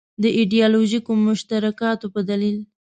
د ایدیالوژیکو مشترکاتو په دلیل.